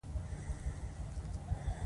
د دوی د مینې کیسه د باغ په څېر تلله.